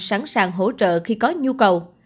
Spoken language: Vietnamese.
sẵn sàng hỗ trợ khi có nhu cầu